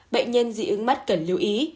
bệnh nhân dị ứng mắt cần lưu ý